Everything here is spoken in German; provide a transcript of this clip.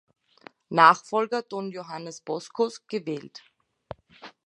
Nachfolger Don Johannes Boscos gewählt.